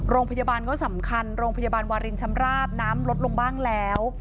โรงพยาบาลก็สำคัญโรงพยาบาลวารินชำราบน้ำลดลงบ้างแล้ว